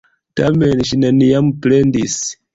Tamen, ŝi neniam plendis.